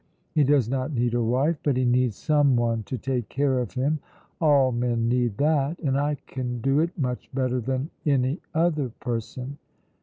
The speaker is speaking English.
He does not need a wife, but he needs someone to take care of him all men need that; and I can do it much better than any other person.